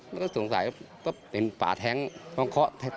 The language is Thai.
แล้วสงสัยสิ่งสี่ปากแท้งข้อดูดูข้อก๊อก